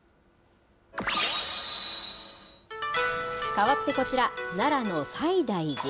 変わってこちら、奈良の西大寺。